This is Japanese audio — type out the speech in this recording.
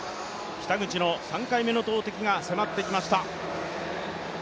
北口の３回目の投てきが迫ってきました。